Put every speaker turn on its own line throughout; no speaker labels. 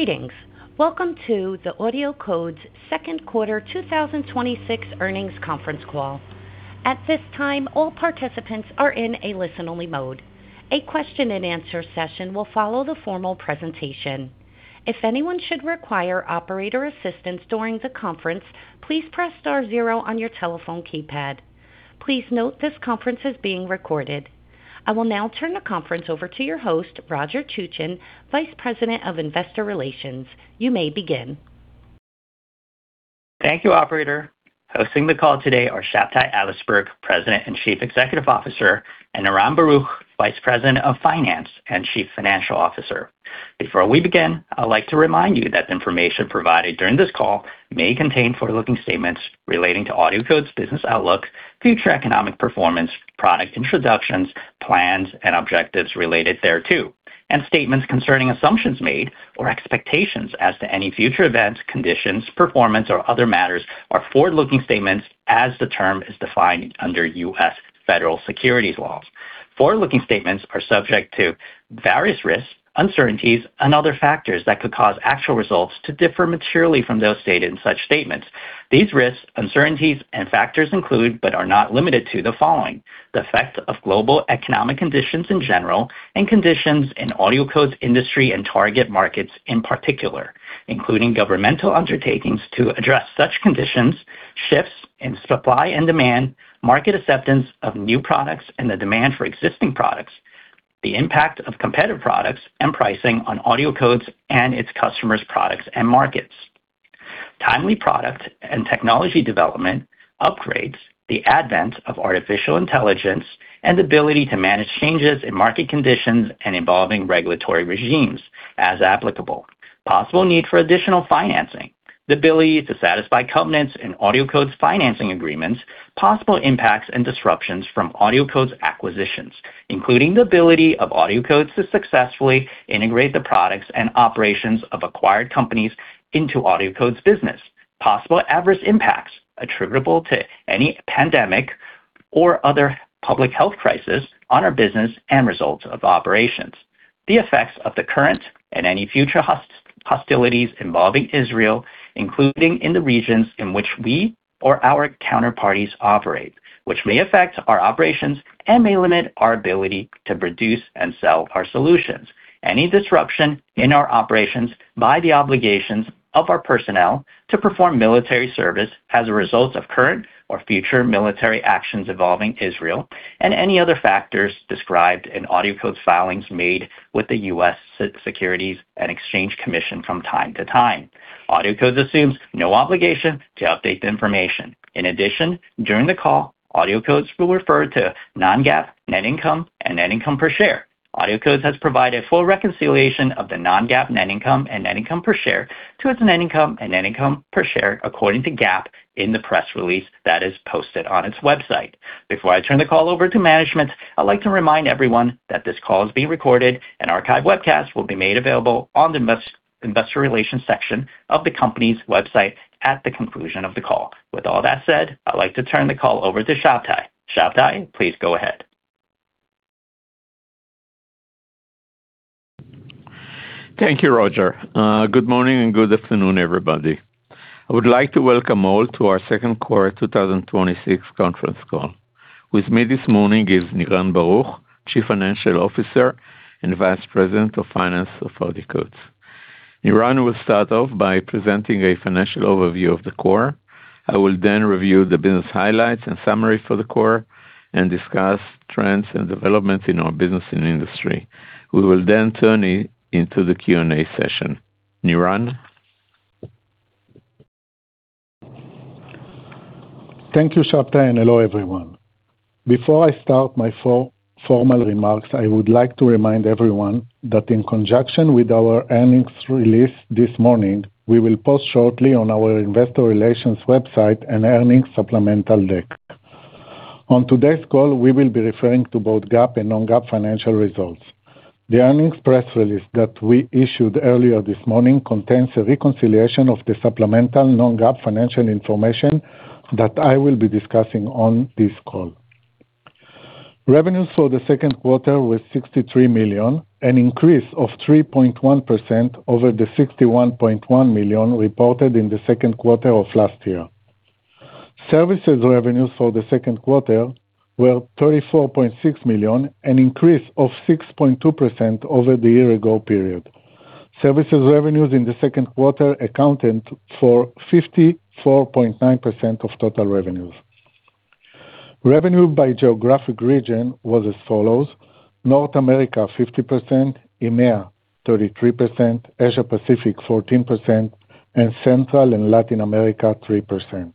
Greetings. Welcome to the AudioCodes' Second Quarter 2026 Earnings Conference Call. At this time, all participants are in a listen-only mode. A question and answer session will follow the formal presentation. If anyone should require operator assistance during the conference, please press star zero on your telephone keypad. Please note this conference is being recorded. I will now turn the conference over to your host, Roger Chuchen, Vice President of Investor Relations. You may begin.
Thank you, operator. Hosting the call today are Shabtai Adlersberg, President and Chief Executive Officer, and Niran Baruch, Vice President of Finance and Chief Financial Officer. Before we begin, I'd like to remind you that the information provided during this call may contain forward-looking statements relating to AudioCodes' business outlook, future economic performance, product introductions, plans and objectives related thereto. Statements concerning assumptions made or expectations as to any future events, conditions, performance, or other matters are forward-looking statements as the term is defined under U.S. federal securities laws. Forward-looking statements are subject to various risks, uncertainties, and other factors that could cause actual results to differ materially from those stated in such statements. These risks, uncertainties, and factors include, but are not limited to, the following. The effect of global economic conditions in general and conditions in AudioCodes' industry and target markets in particular, including governmental undertakings to address such conditions, shifts in supply and demand, market acceptance of new products, and the demand for existing products. The impact of competitive products and pricing on AudioCodes and its customers' products and markets. Timely product and technology development upgrades, the advent of artificial intelligence, and ability to manage changes in market conditions and involving regulatory regimes, as applicable. Possible need for additional financing. The ability to satisfy covenants in AudioCodes financing agreements. Possible impacts and disruptions from AudioCodes acquisitions, including the ability of AudioCodes to successfully integrate the products and operations of acquired companies into AudioCodes business. Possible adverse impacts attributable to any pandemic or other public health crisis on our business and results of operations. The effects of the current and any future hostilities involving Israel, including in the regions in which we or our counterparties operate, which may affect our operations and may limit our ability to produce and sell our solutions. Any disruption in our operations by the obligations of our personnel to perform military service as a result of current or future military actions involving Israel, and any other factors described in AudioCodes filings made with the U.S. Securities and Exchange Commission from time to time. AudioCodes assumes no obligation to update the information. In addition, during the call, AudioCodes will refer to non-GAAP net income and net income per share. AudioCodes has provided full reconciliation of the non-GAAP net income and net income per share to its net income and net income per share according to GAAP in the press release that is posted on its website. Before I turn the call over to management, I'd like to remind everyone that this call is being recorded and archived webcast will be made available on the investor relations section of the company's website at the conclusion of the call. With all that said, I'd like to turn the call over to Shabtai. Shabtai, please go ahead.
Thank you, Roger. Good morning and good afternoon, everybody. I would like to welcome all to our Second Quarter 2026 Conference Call. With me this morning is Niran Baruch, Chief Financial Officer and Vice President of Finance of AudioCodes. Niran will start off by presenting a financial overview of the quarter. I will review the business highlights and summary for the quarter and discuss trends and developments in our business and industry. We will turn it into the Q&A session. Niran?
Thank you, Shabtai, and hello, everyone. Before I start my formal remarks, I would like to remind everyone that in conjunction with our earnings release this morning, we will post shortly on our investor relations website an earnings supplemental deck. On today's call, we will be referring to both GAAP and non-GAAP financial results. The earnings press release that we issued earlier this morning contains a reconciliation of the supplemental non-GAAP financial information that I will be discussing on this call. Revenues for the second quarter were $63 million, an increase of 3.1% over the $61.1 million reported in the second quarter of last year. Services revenues for the second quarter were $34.6 million, an increase of 6.2% over the year-ago period. Services revenues in the second quarter accounted for 54.9% of total revenues. Revenue by geographic region was as follows: North America 50%, EMEA 33%, Asia Pacific 14%, and Central and Latin America 3%.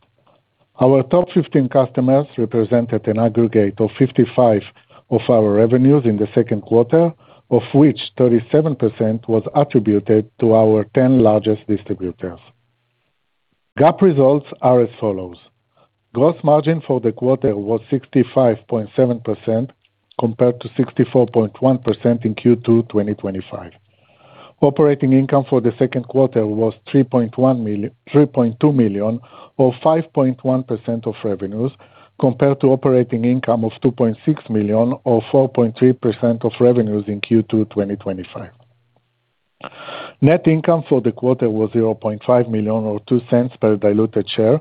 Our top 15 customers represented an aggregate of 55 of our revenues in the second quarter, of which 37% was attributed to our 10 largest distributors. GAAP results are as follows. Gross margin for the quarter was 65.7% compared to 64.1% in Q2 2025. Operating income for the second quarter was $3.2 million, or 5.1% of revenues compared to operating income of $2.6 million, or 4.3% of revenues in Q2 2025. Net income for the quarter was $0.5 million, or $0.02 per diluted share,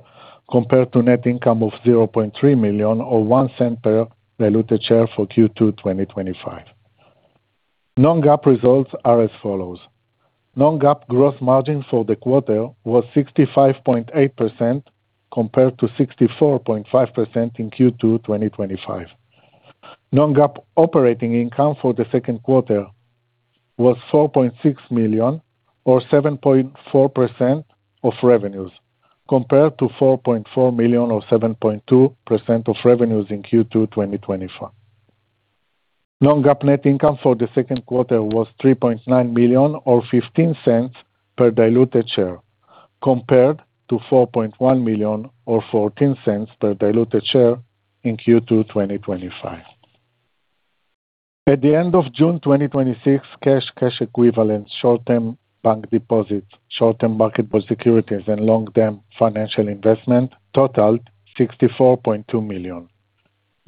compared to net income of $0.3 million or $0.01 per diluted share for Q2 2025. Non-GAAP results are as follows. Non-GAAP gross margin for the quarter was 65.8%, compared to 64.5% in Q2 2025. Non-GAAP operating income for the second quarter was $4.6 million or 7.4% of revenues, compared to $4.4 million or 7.2% of revenues in Q2 2025. Non-GAAP net income for the second quarter was $3.9 million or $0.15 per diluted share, compared to $4.1 million or $0.14 per diluted share in Q2 2025. At the end of June 2026, cash equivalents, short-term bank deposits, short-term marketable securities, and long-term financial investments totaled $64.2 million.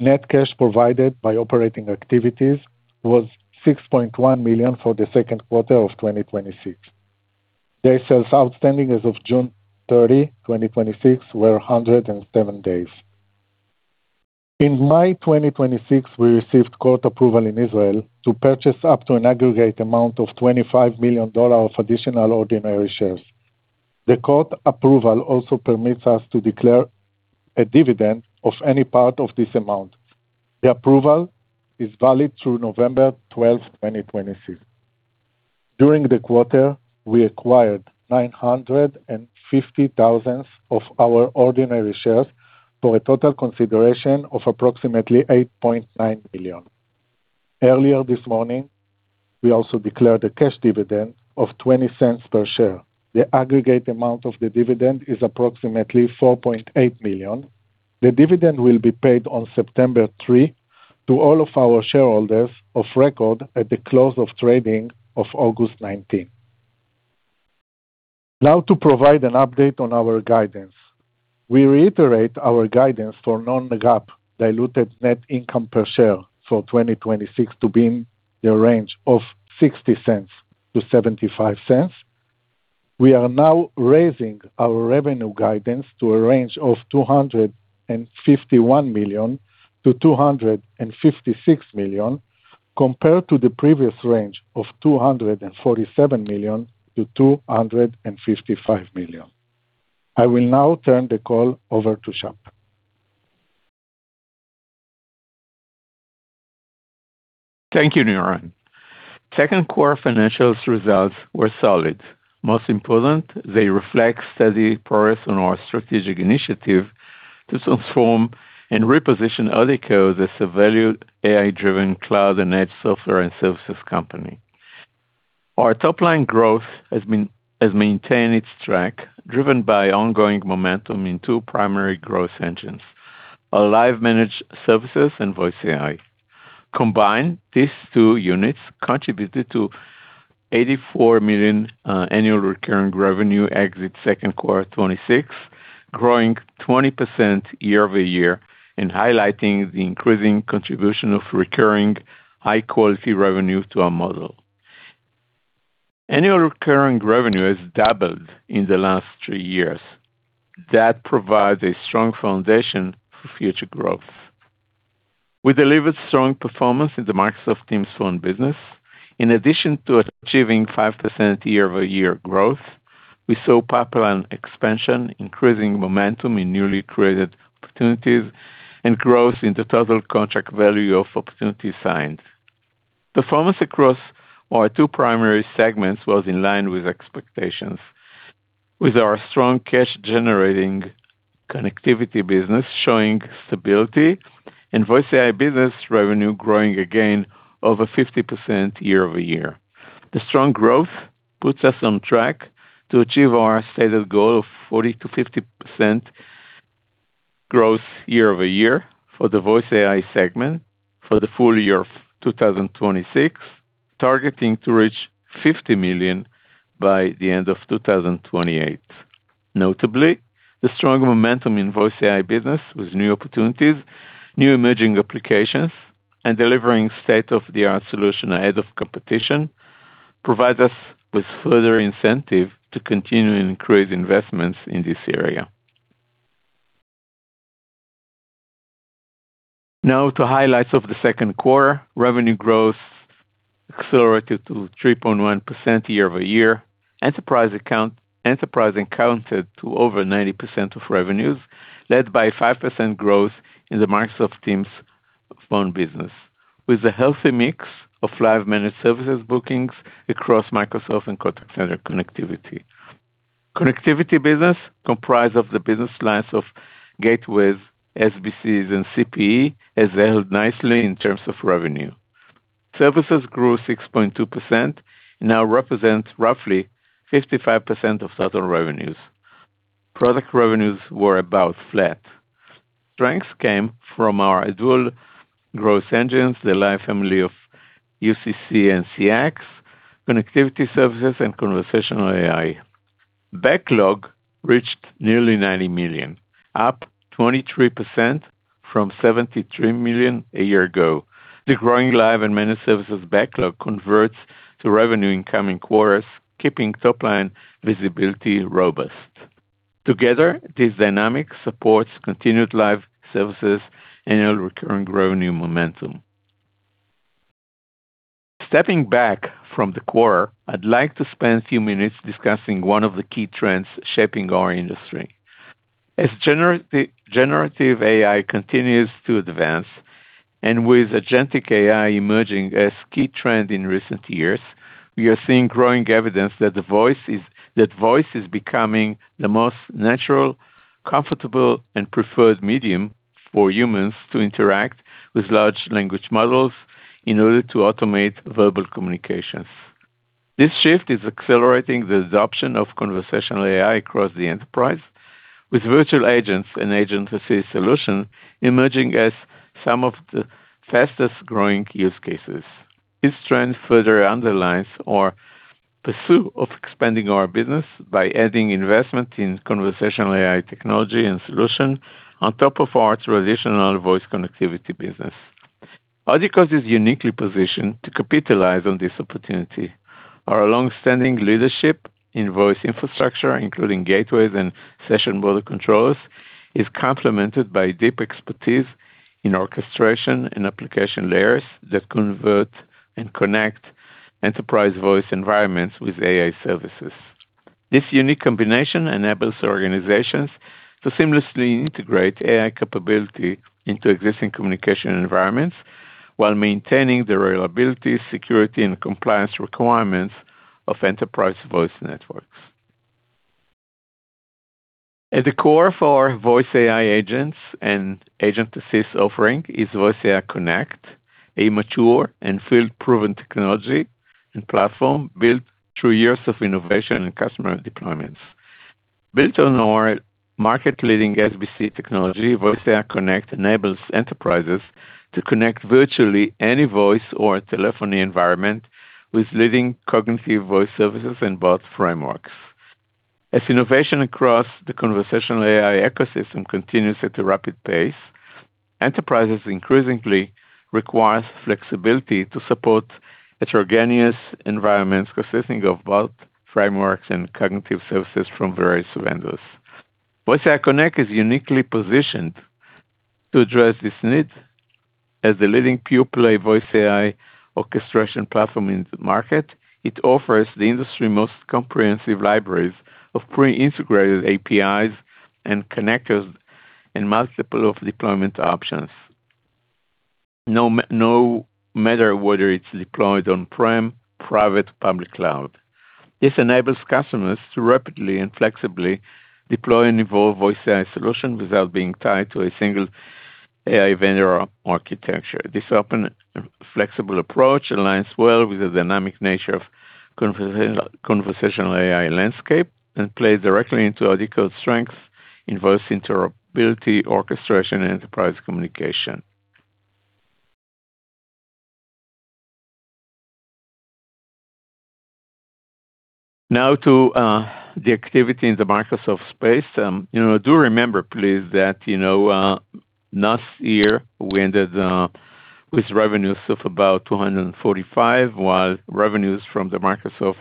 Net cash provided by operating activities was $6.1 million for the second quarter of 2026. Days sales outstanding as of June 30, 2026, were 107 days. In May 2026, we received court approval in Israel to purchase up to an aggregate amount of $25 million of additional ordinary shares. The court approval also permits us to declare a dividend of any part of this amount. The approval is valid through November 12, 2026. During the quarter, we acquired 950,000 of our ordinary shares for a total consideration of approximately $8.9 million. Earlier this morning, we also declared a cash dividend of $0.20 per share. The aggregate amount of the dividend is approximately $4.8 million. The dividend will be paid on September 3 to all of our shareholders of record at the close of trading of August 19. Now to provide an update on our guidance. We reiterate our guidance for non-GAAP diluted net income per share for 2026 to be in the range of $0.60-$0.75. We are now raising our revenue guidance to a range of $251 million-$256 million, compared to the previous range of $247 million-$255 million. I will now turn the call over to Shabtai.
Thank you, Niran. Second quarter financial results were solid. Most important, they reflect steady progress on our strategic initiative to transform and reposition AudioCodes as a valued AI-driven cloud and edge software and services company. Our top-line growth has maintained its track, driven by ongoing momentum in two primary growth engines, our Live Managed Services and VoiceAI. Combined, these two units contributed to $84 million annual recurring revenue exit second quarter 2026, growing 20% year-over-year and highlighting the increasing contribution of recurring high-quality revenue to our model. Annual recurring revenue has doubled in the last three years. That provides a strong foundation for future growth. We delivered strong performance in the Microsoft Teams Phone business. In addition to achieving 5% year-over-year growth, we saw pipeline expansion, increasing momentum in newly created opportunities, and growth in the total contract value of opportunities signed. Performance across our two primary segments was in line with expectations, with our strong cash-generating connectivity business showing stability and VoiceAI business revenue growing again over 50% year-over-year. The strong growth puts us on track to achieve our stated goal of 40%-50% growth year-over-year for the VoiceAI segment for the full-year 2026, targeting to reach $50 million by the end of 2028. Notably, the strong momentum in VoiceAI business with new opportunities, new emerging applications, and delivering state-of-the-art solution ahead of competition provides us with further incentive to continue and increase investments in this area. To highlights of the second quarter. Revenue growth accelerated to 3.1% year-over-year. Enterprise accounted to over 90% of revenues, led by 5% growth in the Microsoft Teams Phone business, with a healthy mix of Live Managed Services bookings across Microsoft and contact center connectivity. Connectivity business, comprised of the business lines of gateways, SBCs, and CPE, has held nicely in terms of revenue. Services grew 6.2% and now represents roughly 55% of total revenues. Product revenues were about flat. Strengths came from our dual growth engines, the Live family of UCC and CX, connectivity services, and conversational AI. Backlog reached nearly $90 million, up 23% from $73 million a year ago. The growing Live and Managed Services backlog converts to revenue in coming quarters, keeping top-line visibility robust. Together, this dynamic supports continued Live services annual recurring revenue momentum. Stepping back from the quarter, I'd like to spend a few minutes discussing one of the key trends shaping our industry. As generative AI continues to advance, and with agentic AI emerging as key trend in recent years, we are seeing growing evidence that voice is becoming the most natural, comfortable, and preferred medium for humans to interact with large language models in order to automate verbal communications. This shift is accelerating the adoption of conversational AI across the enterprise, with virtual agents and agent-assist solutions emerging as some of the fastest-growing use cases. This trend further underlines our pursuit of expanding our business by adding investment in conversational AI technology and solution on top of our traditional voice connectivity business. AudioCodes is uniquely positioned to capitalize on this opportunity. Our long-standing leadership in voice infrastructure, including gateways and Session Border Controllers, is complemented by deep expertise in orchestration and application layers that convert and connect enterprise voice environments with AI services. This unique combination enables organizations to seamlessly integrate AI capability into existing communication environments while maintaining the reliability, security, and compliance requirements of enterprise voice networks. At the core of our VoiceAI agents and agent-assist offering is VoiceAI Connect, a mature and field-proven technology and platform built through years of innovation and customer deployments. Built on our market-leading SBC technology, VoiceAI Connect enables enterprises to connect virtually any voice or telephony environment with leading cognitive voice services and bot frameworks. As innovation across the conversational AI ecosystem continues at a rapid pace, enterprises increasingly require flexibility to support heterogeneous environments consisting of bot frameworks and cognitive services from various vendors. VoiceAI Connect is uniquely positioned to address this need. As the leading pure-play VoiceAI orchestration platform in the market, it offers the industry most comprehensive libraries of pre-integrated APIs and connectors and multiple of deployment options. No matter whether it's deployed on-prem, private, public cloud. This enables customers to rapidly and flexibly deploy and evolve VoiceAI solution without being tied to a single AI vendor architecture. This open, flexible approach aligns well with the dynamic nature of conversational AI landscape and plays directly into AudioCodes' strength in voice interoperability, orchestration, and enterprise communication. To the activity in the Microsoft space. Remember, please, that last year we ended with revenues of about $245 million, while revenues from the Microsoft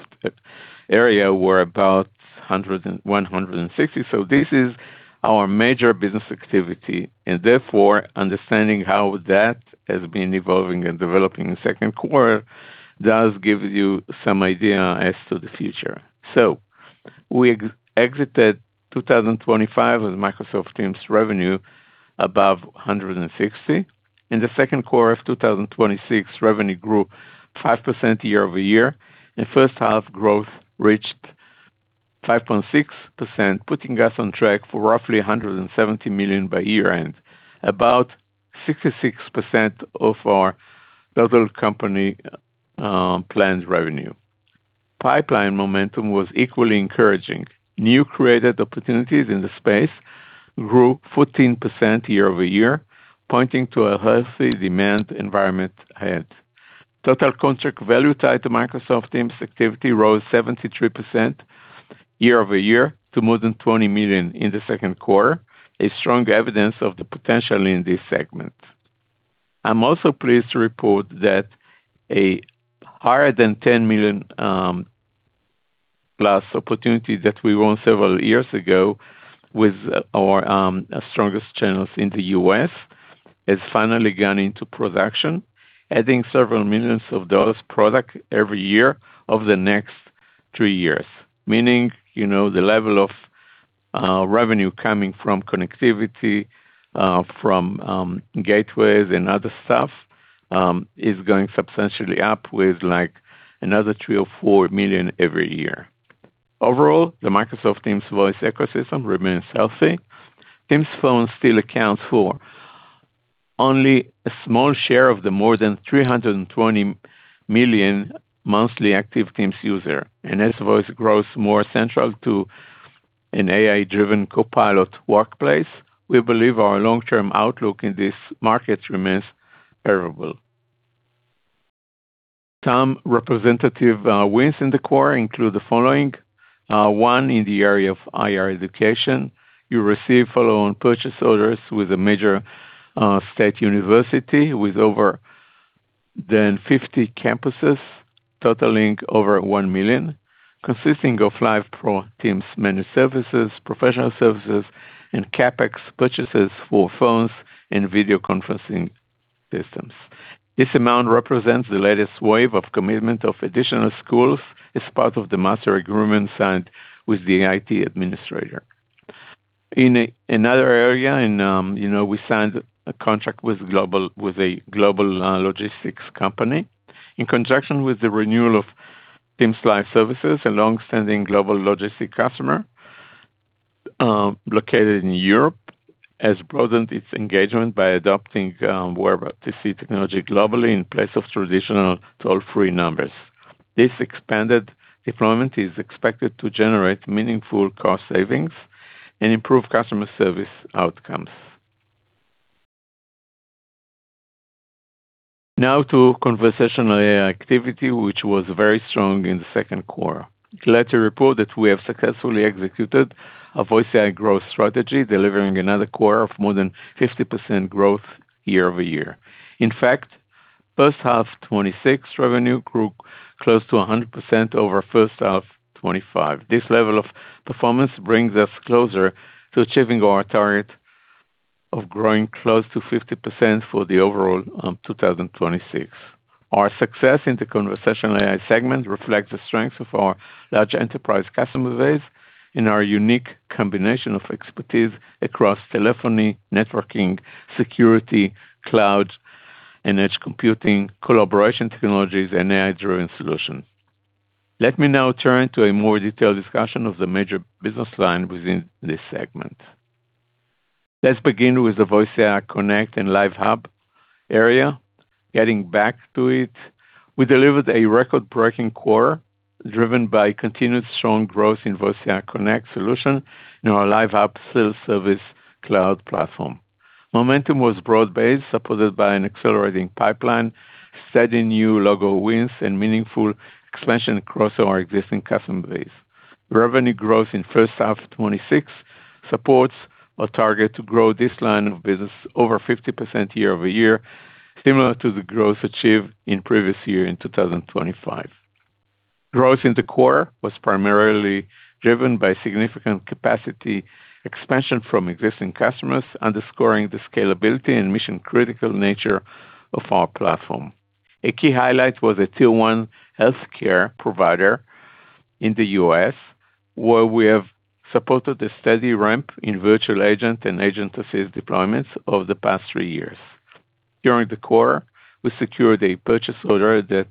area were about $160 million. This is our major business activity, and therefore, understanding how that has been evolving and developing in the second quarter does give you some idea as to the future. We exited 2025 with Microsoft Teams revenue above $160 million. In the second quarter of 2026, revenue grew 5% year-over-year. In first half, growth reached 5.6%, putting us on track for roughly $170 million by year-end. About 66% of our total company planned revenue. Pipeline momentum was equally encouraging. New created opportunities in the space grew 14% year-over-year, pointing to a healthy demand environment ahead. Total contract value tied to Microsoft Teams activity rose 73% year-over-year to more than $20 million in the second quarter, a strong evidence of the potential in this segment. I'm also pleased to report that a higher than $10 million+ opportunity that we won several years ago with our strongest channels in the U.S. has finally gone into production, adding several millions of those products every year over the next three years. Meaning, the level of revenue coming from connectivity, from gateways, and other stuff is going substantially up with another $3 million or $4 million every year. Overall, the Microsoft Teams voice ecosystem remains healthy. Teams Phone still accounts for only a small share of the more than 320 million monthly active Teams user, and as voice grows more central to an AI-driven Copilot workplace, we believe our long-term outlook in this market remains favorable. Some representative wins in the quarter include the following. One, in the area of higher education, you receive follow-on purchase orders with a major state university with over than 50 campuses, totaling over $1 million, consisting of Live Pro Teams managed services, professional services, and CapEx purchases for phones and video conferencing systems. This amount represents the latest wave of commitment of additional schools as part of the master agreement signed with the IT administrator. In another area, we signed a contract with a global logistics company. In conjunction with the renewal of Teams Live services, a long-standing global logistics customer, located in Europe, has broadened its engagement by adopting [Voca] technology globally in place of traditional toll-free numbers. This expanded deployment is expected to generate meaningful cost savings and improve customer service outcomes. To conversational AI activity, which was very strong in the second quarter. Glad to report that we have successfully executed a VoiceAI growth strategy, delivering another quarter of more than 50% growth year-over-year. In fact, first half 2026 revenue grew close to 100% over first half 2025. This level of performance brings us closer to achieving our target of growing close to 50% for the overall 2026. Our success in the conversational AI segment reflects the strength of our large enterprise customer base and our unique combination of expertise across telephony, networking, security, cloud, and edge computing, collaboration technologies, and AI-driven solutions. Let me now turn to a more detailed discussion of the major business lines within this segment. Let's begin with the VoiceAI Connect and Live Hub area. Getting back to it, we delivered a record-breaking quarter driven by continued strong growth in VoiceAI Connect solution in our Live Hub self-service cloud platform. Momentum was broad-based, supported by an accelerating pipeline, steady new logo wins, and meaningful expansion across our existing customer base. Revenue growth in first half 2026 supports our target to grow this line of business over 50% year-over-year, similar to the growth achieved in previous year in 2025. Growth in the quarter was primarily driven by significant capacity expansion from existing customers, underscoring the scalability and mission-critical nature of our platform. A key highlight was a tier one healthcare provider in the U.S., where we have supported a steady ramp in virtual agent and agent-assisted deployments over the past three years. During the quarter, we secured a purchase order that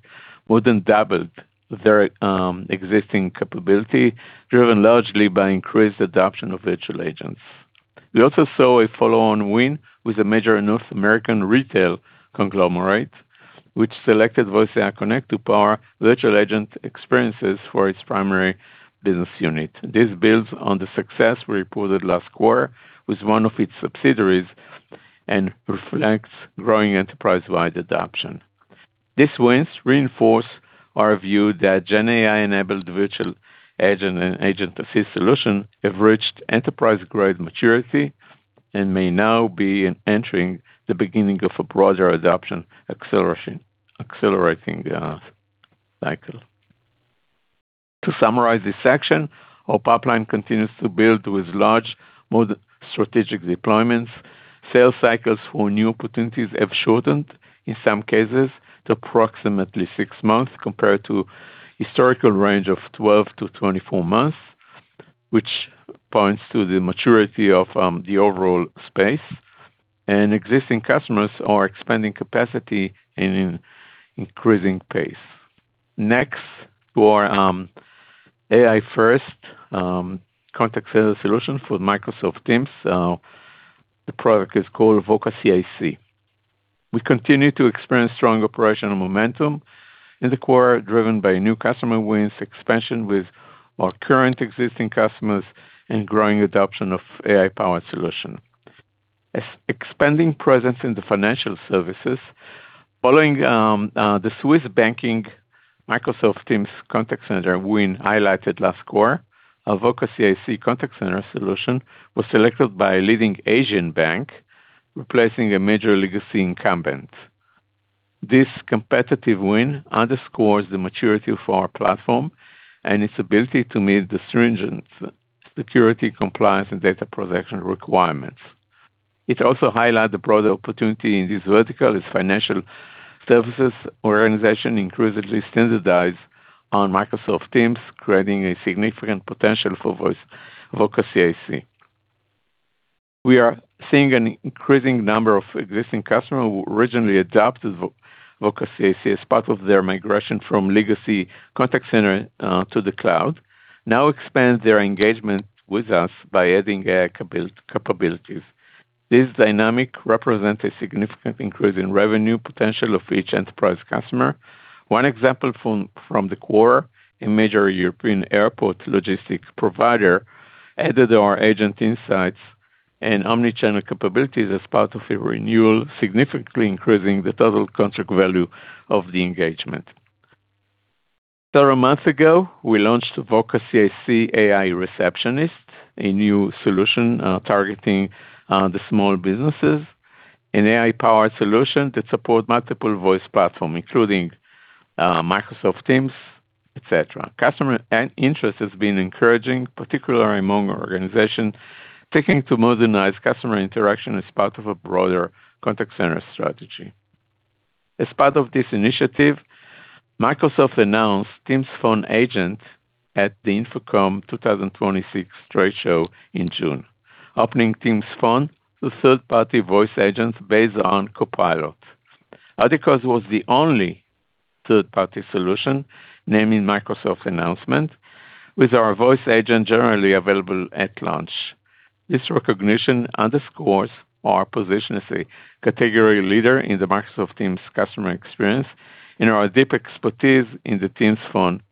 more than doubled their existing capability, driven largely by increased adoption of virtual agents. We also saw a follow-on win with a major North American retail conglomerate, which selected VoiceAI Connect to power virtual agent experiences for its primary business unit. This builds on the success we reported last quarter with one of its subsidiaries and reflects growing enterprise-wide adoption. These wins reinforce our view that gen AI-enabled virtual agent and agent-assisted solutions have reached enterprise-grade maturity and may now be entering the beginning of a broader adoption accelerating cycle. To summarize this section, our pipeline continues to build with large, more strategic deployments. Sales cycles for new opportunities have shortened, in some cases, to approximately six months compared to historical range of 12-24 months, which points to the maturity of the overall space, and existing customers are expanding capacity in an increasing pace. Next, to our AI-first contact center solutions for Microsoft Teams. The product is called Voca CIC. We continue to experience strong operational momentum in the quarter, driven by new customer wins, expansion with our current existing customers, and growing adoption of AI-powered solution. Expanding presence in the financial services. Following the Swiss banking Microsoft Teams contact center win highlighted last quarter, our Voca CIC contact center solution was selected by a leading Asian bank, replacing a major legacy incumbent. This competitive win underscores the maturity of our platform and its ability to meet the stringent security, compliance, and data protection requirements. It also highlights the broader opportunity in this vertical as financial services organizations increasingly standardize on Microsoft Teams, creating a significant potential for Voca CIC. We are seeing an increasing number of existing customers who originally adopted Voca CIC as part of their migration from legacy contact center to the cloud now expand their engagement with us by adding AI capabilities. This dynamic represents a significant increase in revenue potential of each enterprise customer. One example from the quarter, a major European airport logistics provider added our agent insights. Omnichannel capabilities as part of a renewal, significantly increasing the total contract value of the engagement. Several months ago, we launched Voca CIC AI Receptionist, a new solution targeting the small businesses. An AI-powered solution that supports multiple voice platforms, including Microsoft Teams, et cetera. Customer interest has been encouraging, particularly among organizations seeking to modernize customer interaction as part of a broader contact center strategy. As part of this initiative, Microsoft announced Teams Phone Agent at the InfoComm 2026 trade show in June, opening Teams Phone to third-party voice agents based on Copilot. AudioCodes was the only third-party solution naming Microsoft announcement, with our voice agent generally available at launch. This recognition underscores our position as a category leader in the Microsoft Teams customer experience and our deep expertise in the Teams Phone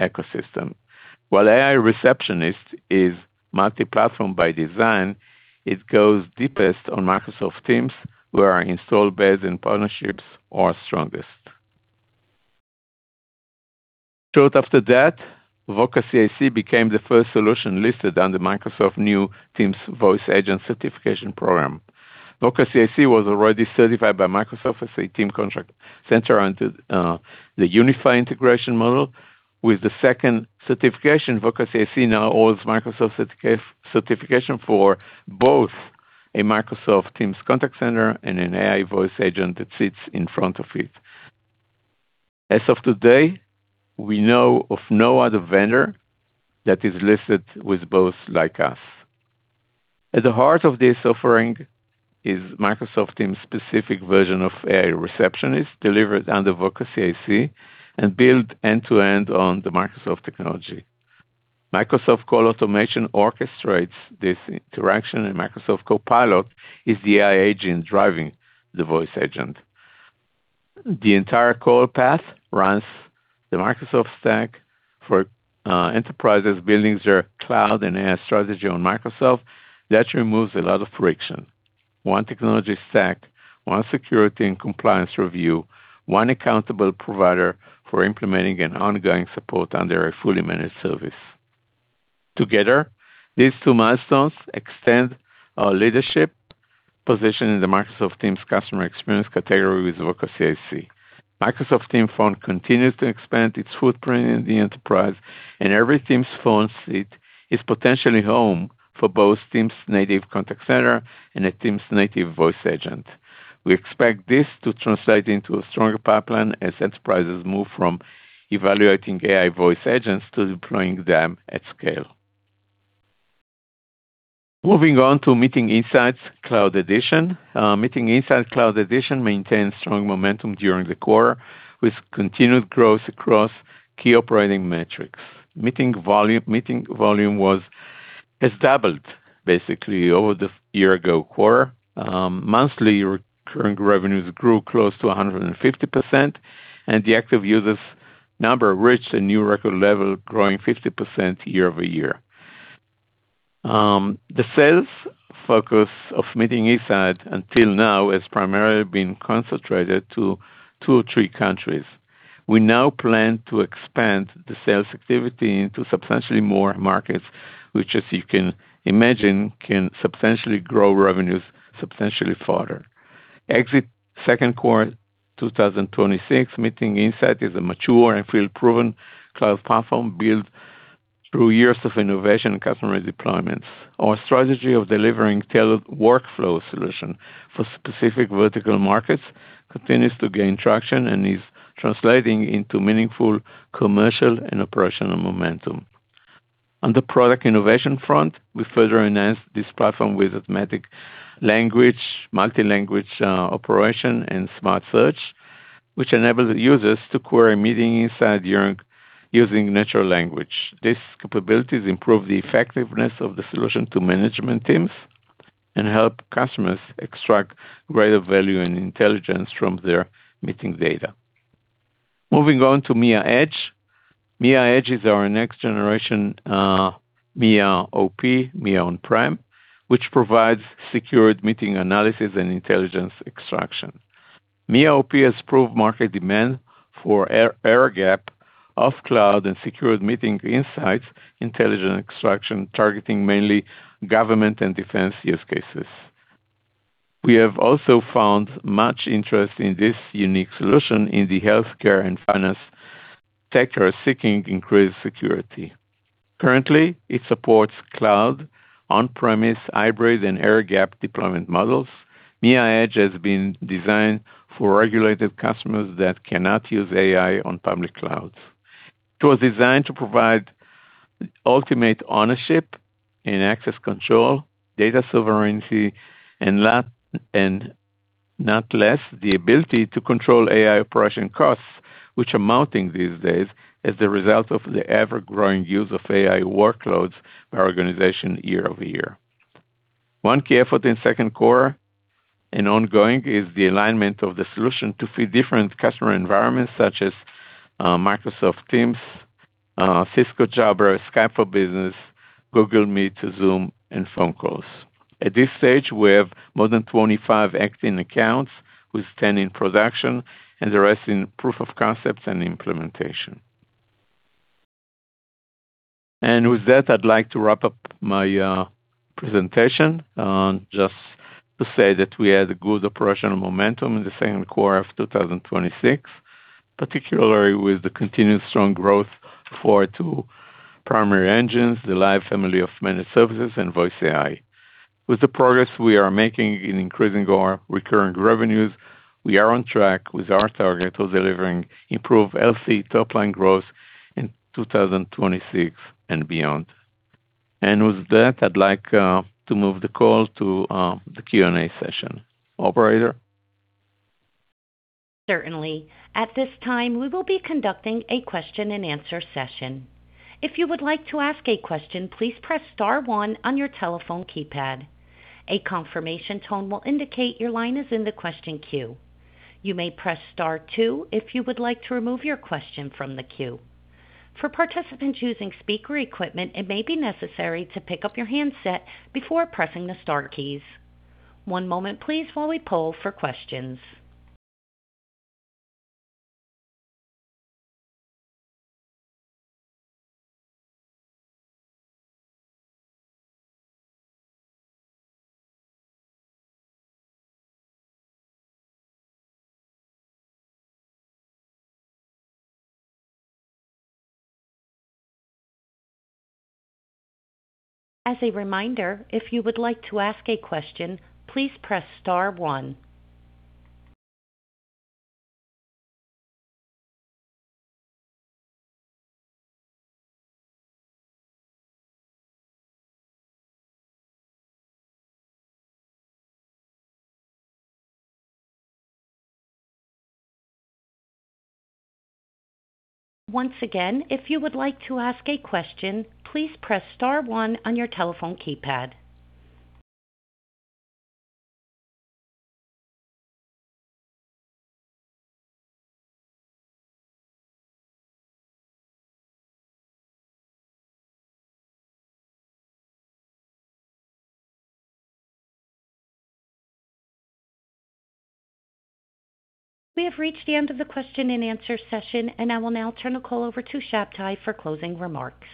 ecosystem. While AI Receptionist is multi-platform by design, it goes deepest on Microsoft Teams, where our install base and partnerships are strongest. Short after that, Voca CIC became the first solution listed under Microsoft new Teams Phone Agent certification program. Voca CIC was already certified by Microsoft as a Teams contact center under the unified integration model. With the second certification, Voca CIC now holds Microsoft certification for both a Microsoft Teams contact center and an AI voice agent that sits in front of it. As of today, we know of no other vendor that is listed with both like us. At the heart of this offering is Microsoft Teams-specific version of AI Receptionist, delivered under Voca CIC and built end-to-end on the Microsoft technology. Microsoft Call Automation orchestrates this interaction, and Microsoft Copilot is the AI agent driving the voice agent. The entire call path runs the Microsoft stack. For enterprises building their cloud and AI strategy on Microsoft, that removes a lot of friction. One technology stack, one security and compliance review, one accountable provider for implementing and ongoing support under a fully managed service. Together, these two milestones extend our leadership position in the Microsoft Teams customer experience category with Voca CIC. Microsoft Teams Phone continues to expand its footprint in the enterprise, and every Teams Phone seat is potentially home for both Teams native contact center and a Teams native voice agent. We expect this to translate into a stronger pipeline as enterprises move from evaluating AI voice agents to deploying them at scale. Moving on to Meeting Insights Cloud Edition. Meeting Insights Cloud Edition maintained strong momentum during the quarter, with continued growth across key operating metrics. Meeting volume was established basically over the year-ago quarter. Monthly recurring revenues grew close to 150%, and the active users number reached a new record level, growing 50% year-over-year. The sales focus of Meeting Insights until now has primarily been concentrated to two or three countries. We now plan to expand the sales activity into substantially more markets, which, as you can imagine, can substantially grow revenues substantially further. Exit second quarter 2026, Meeting Insights is a mature and field-proven cloud platform built through years of innovation and customer deployments. Our strategy of delivering tailored workflow solution for specific vertical markets continues to gain traction and is translating into meaningful commercial and operational momentum. On the product innovation front, we further enhanced this platform with automatic multi-language operation and smart search, which enables users to query Meeting Insights using natural language. These capabilities improve the effectiveness of the solution to management teams and help customers extract greater value and intelligence from their meeting data. Moving on to MIA Edge. MIA Edge is our next generation MIA OP, MIA On-Prem, which provides secured meeting analysis and intelligence extraction. MIA OP has proved market demand for air-gap off-cloud and secured Meeting Insights intelligence extraction, targeting mainly government and defense use cases. We have also found much interest in this unique solution in the healthcare and finance sector seeking increased security. Currently, it supports cloud, on-premises, hybrid, and air-gap deployment models. MIA Edge has been designed for regulated customers that cannot use AI on public clouds. It was designed to provide ultimate ownership and access control, data sovereignty, and not less, the ability to control AI operation costs, which are mounting these days as the result of the ever-growing use of AI workloads by our organization year-over-year. One key effort in second quarter and ongoing is the alignment of the solution to fit different customer environments such as Microsoft Teams, Cisco Jabber, Skype for Business, Google Meet to Zoom, and phone calls. At this stage, we have more than 25 active accounts with 10 in production and the rest in proof-of-concepts and implementation. With that, I'd like to wrap-up my presentation, just to say that we had good operational momentum in the second quarter of 2026, particularly with the continued strong growth for two primary engines, the Live family of Managed Services and VoiceAI. With the progress we are making in increasing our recurring revenues, we are on track with our target of delivering improved [healthy] top-line growth in 2026 and beyond. With that, I'd like to move the call to the Q&A session. Operator?
Certainly. At this time, we will be conducting a question and answer session. If you would like to ask a question, please press star one on your telephone keypad. A confirmation tone will indicate your line is in the question queue. You may press star two if you would like to remove your question from the queue. For participants using speaker equipment, it may be necessary to pick up your handset before pressing the star keys. One moment please while we poll for questions. As a reminder, if you would like to ask a question, please press star one. Once again, if you would like to ask a question, please press star one on your telephone keypad. We have reached the end of the question and answer session, and I will now turn the call over to Shabtai for closing remarks.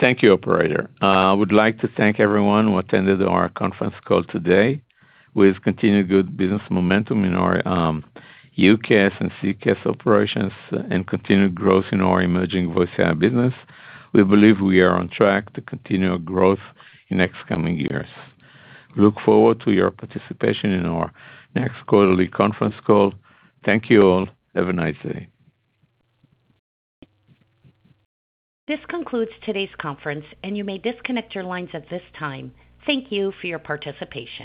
Thank you, operator. I would like to thank everyone who attended our conference call today. With continued good business momentum in our UCaaS and CCaaS operations and continued growth in our emerging VoiceAI business, we believe we are on track to continue our growth in next coming years. Look forward to your participation in our next quarterly conference call. Thank you all. Have a nice day.
This concludes today's conference. You may disconnect your lines at this time. Thank you for your participation.